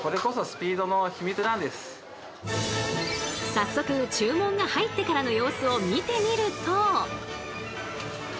早速注文が入ってからの様子を見てみると。